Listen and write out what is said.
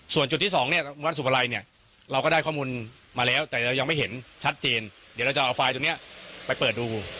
ส่วนจุดที่สองเนี่ยวัดสุภาลัยเนี่ยเราก็ได้ข้อมูลมาแล้วแต่เรายังไม่เห็นชัดเจนเดี๋ยวเราจะเอาไฟล์ตัวนี้ไปเปิดดู